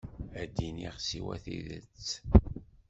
Ad d-iniɣ siwa tidet.